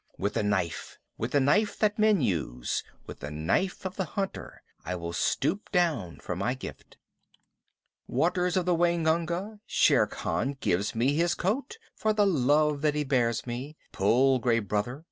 With the knife, with the knife that men use, with the knife of the hunter, I will stoop down for my gift. Waters of the Waingunga, Shere Khan gives me his coat for the love that he bears me. Pull, Gray Brother!